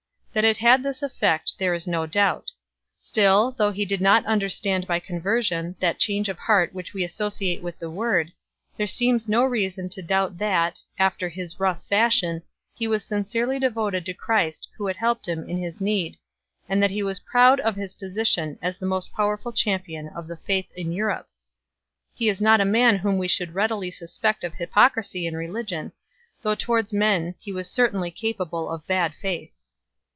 That it had this effect there is no doubt. Still, though he did not understand by conversion that change of heart which we associate with the word, there seems no reason to doubt that, after his rough fashion, he was sincerely devoted to Christ Who had helped him in his need, and that he was proud of his position as the most powerful champion of the Faith in Europe. He is not a man whom we should readily suspect of hypocrisy in religion, though towards men he was certainly capable of bad faith.